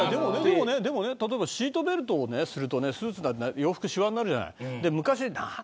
でも例えばシートベルトをすると洋服がしわになるじゃない。